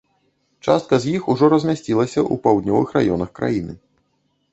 Частка з іх ужо размясцілася ў паўднёвых раёнах краіны.